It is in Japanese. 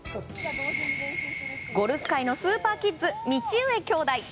ゴルフ界のスーパーキッズ道上兄妹。